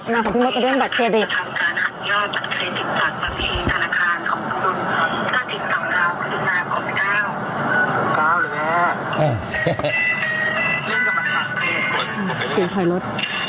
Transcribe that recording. มาของพี่มดกับเรื่องบัตรเครดิต